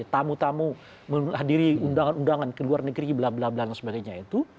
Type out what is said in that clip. tamu tamu menghadiri undangan undangan ke luar negeri blablabla dan sebagainya itu